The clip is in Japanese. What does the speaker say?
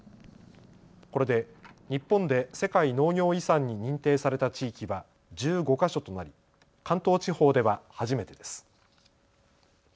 これで日本で世界農業遺産に認定された地域は１５か所となり関東地方では初めてです。